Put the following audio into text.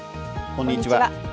こんにちは。